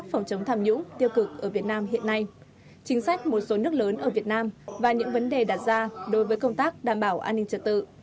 phòng chống tham nhũng tiêu cực ở việt nam hiện nay chính sách một số nước lớn ở việt nam và những vấn đề đặt ra đối với công tác đảm bảo an ninh trật tự